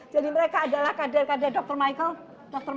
jadi mereka adalah kadir kadir dr michael